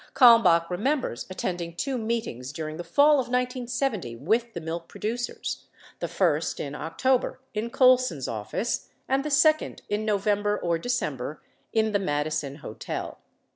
Kalmbach remembers attending two meetings during the fall of 1970 with the milk pro ducers, the first in October in Colson's office, and the second in Novem ber or December in the Madison Hotel.